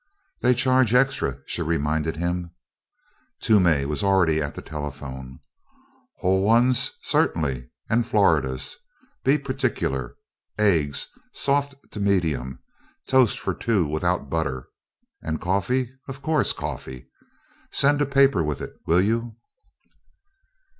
"They charge extra," she reminded him. Toomey was already at the telephone. "Whole ones? Certainly and Floridas be particular. Eggs soft to medium. Toast for two, without butter. And coffee? Of course, coffee. Send a paper with it, will you?"